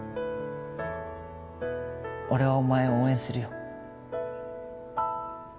俺はお前を応援するよ